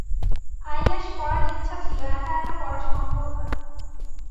Eyelash পরার ইচ্ছা ছিল, একা-একা পরা সম্ভব নয়।